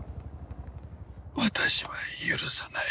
私は許さない。